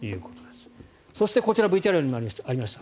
そして、こちらＶＴＲにもありました